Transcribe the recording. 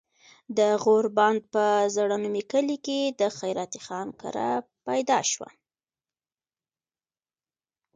د غوربند پۀ زړه نومي کلي د خېراتي خان کره پيدا شو